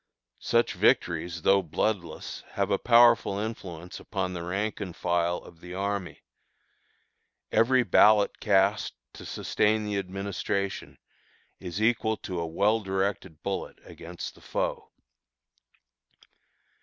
Such victories, though bloodless, have a powerful influence upon the rank and file of the army. Every ballot cast to sustain the administration is equal to a well directed bullet against the foe.